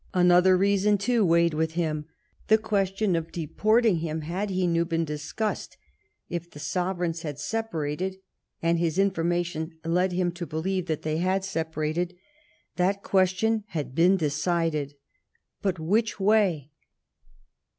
Another reason, too, weighed with him. The question of deporting him had, he knew, been discussed : if the sovereigns had separated — and his information led him to believe that they had separated — that question had been decided. But which way